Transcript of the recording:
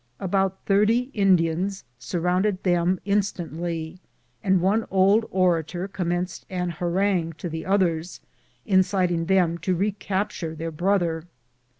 About thirty Indians surrounded them instantly, and one old orator commenced an harangue to the others, in citing them to recapture their brother.